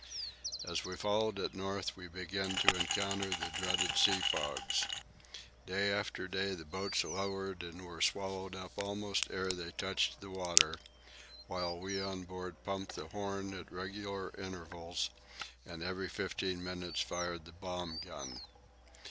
As we followed it north we began to encounter the dreaded sea fogs. Day after day the boats lowered and were swallowed up almost ere they touched the water, while we on board pumped the horn at regular intervals and every fifteen minutes fired the bomb gun.